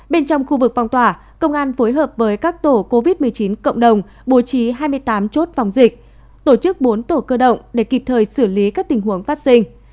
bên trong khu vực phong tỏa công an phối hợp với các tổ covid một mươi chín cộng đồng bố trí hai mươi tám chốt phòng dịch tổ chức bốn tổ cơ động để kịp thời xử lý các tình huống phát sinh